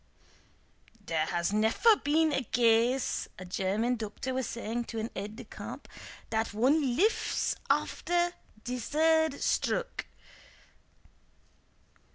"Dere has neffer been a gase," a German doctor was saying to an aide de camp, "dat one liffs after de sird stroke."